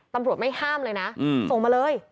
ตำรวจไม่ห้ามเลยนะส่งมาเลย